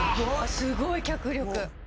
すごい脚力！